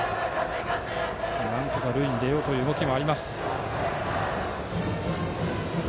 なんとか塁に出ようという動きがあります。